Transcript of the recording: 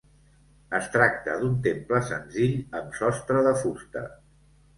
Es tracta d'un temple senzill amb sostre de fusta.